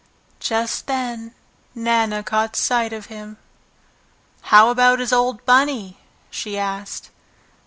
Just then Nana caught sight of him. "How about his old Bunny?" she asked.